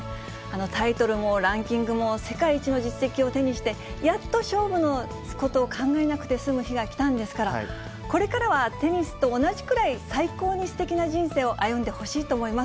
タイトルもランキングも世界一の実績を手にして、やっと勝負のことを考えなくて済む日がきたんですから、これからはテニスと同じくらい最高にすてきな人生を歩んでほしいと思います。